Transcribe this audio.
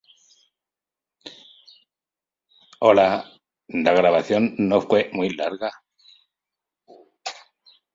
Generalmente, los miembros son luchadores activos que posteriormente anuncian su retiro.